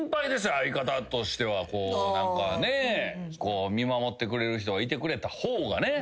相方としては何かねこう見守ってくれる人がいてくれた方がね。